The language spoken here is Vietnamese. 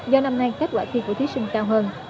do năm nay kết quả thi của thí sinh cao hơn